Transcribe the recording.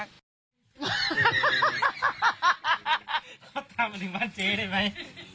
เขาตามมาถึงบ้านเจ๊ได้ไหม